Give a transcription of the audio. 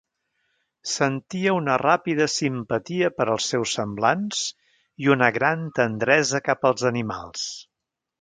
Sentia una ràpida simpatia per als seus semblants i una gran tendresa cap als animals.